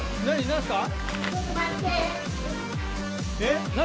何すか？